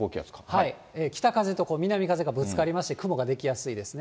北風と南風がぶつかりまして、雲が出来やすいですね。